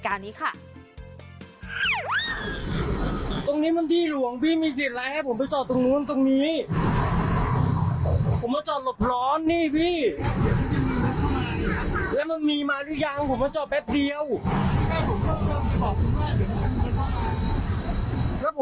แต่ว่ารถเรือไม่ได้พูดกูข้างหน้าก่อนครับ